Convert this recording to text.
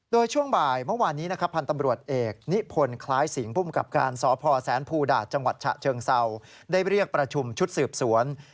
โดยช่วงบ่ายเมื่อวานนี้พันธ์ตำรวจเอกนิพลคล้ายศิลป์ภูมิกับการสพแสนพูดาชจเชิงเซาได้ไปเรียกประชุมชุดสืบสวน